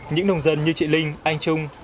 những nông dân như chị linh anh trung